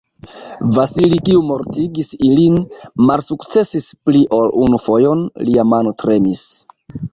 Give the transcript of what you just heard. Vasili, kiu mortigis ilin, malsukcesis pli ol unu fojon: lia mano tremis.